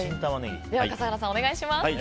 笠原さん、お願いします。